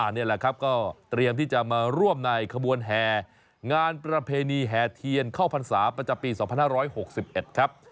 นี่แหละครับก็เตรียมที่จะมาร่วมในขบวนแห่งานประเพณีแห่เทียนเข้าพรรษาประจำปี๒๕๖๑ครับ